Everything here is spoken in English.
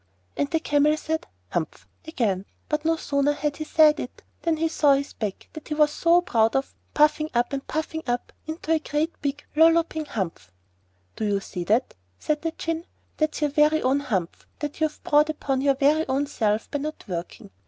And the Camel said 'Humph!' again; but no sooner had he said it than he saw his back, that he was so proud of, puffing up and puffing up into a great big lolloping humph. 'Do you see that?' said the Djinn. 'That's your very own humph that you've brought upon your very own self by not working.